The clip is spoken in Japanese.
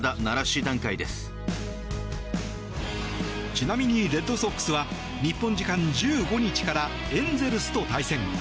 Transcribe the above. ちなみにレッドソックスは日本時間１５日からエンゼルスと対戦。